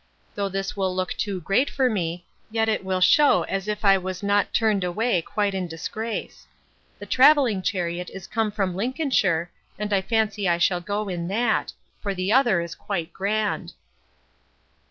Though this will look too great for me, yet it will shew as if I was not turned away quite in disgrace. The travelling chariot is come from Lincolnshire, and I fancy I shall go in that; for the other is quite grand.